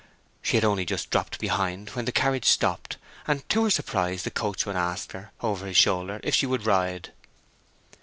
She had only just dropped behind when the carriage stopped, and to her surprise the coachman asked her, over his shoulder, if she would ride.